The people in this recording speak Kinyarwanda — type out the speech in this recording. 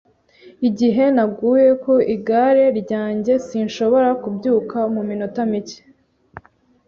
Igihe naguye ku igare ryanjye, sinshobora kubyuka mu minota mike.